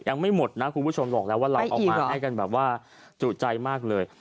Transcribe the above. ยังไม่หมดนะคุณผู้ชมบอกแล้วว่าเราเอามาให้กันแบบว่าจุใจมากเลย